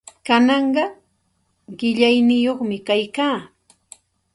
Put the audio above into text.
Kananqa qillayniyuqmi kaykaa.